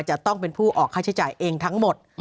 จะต้องเป็นผู้ออกค่าใช้จ่ายเองทั้งหมด